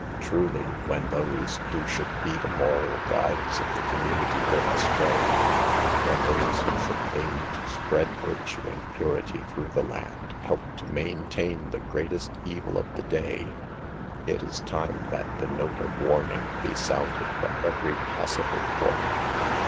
Truly, when those who should be the moral guides of the community go astray, when those who should aim to spread virtue and purity through the land help to maintain the greatest evil of the day, it is time that the note of warning be sounded from every possible quarter.